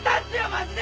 マジで！